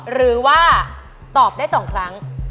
หรือว่าตอบได้๒ครั้ง